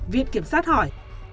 viện kiểm soát hỏi